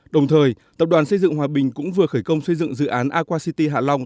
đồng thời tập đoàn xây dựng hòa bình cũng vừa khởi công xây dựng dự án aqua city hạ long